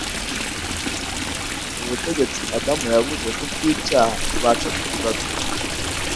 Ubutegetsi Adamu yabuze kubw'icyaha bubasha kutugarurirwa.